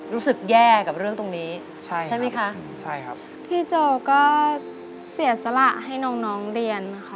รู้สึกแย่กับเรื่องตรงนี้ใช่ไหมคะพี่โจก็เสียสละให้น้องเรียน